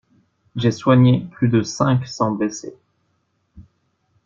J'ai soigné plus de cinq cents blessés.